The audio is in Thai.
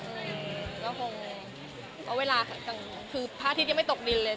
อืมก็คงเพราะเวลากลางคือพระอาทิตย์ยังไม่ตกดินเลย